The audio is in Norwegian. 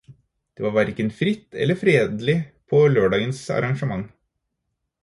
Det var hverken fritt eller fredelig på lørdagens arrangement.